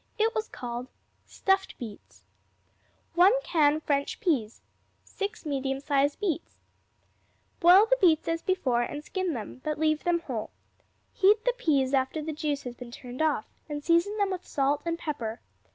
It was called Stuffed Beets 1 can French peas. 6 medium sized beets. Boil the beets as before and skin them, but leave them whole. Heat the peas after the juice has been turned off, and season them with salt and pepper.